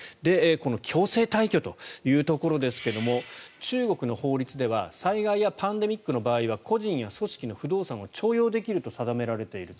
この強制退去というところですが中国の法律では災害やパンデミックの場合は個人や組織の不動産は徴用できると定められていると。